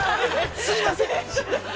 すいません。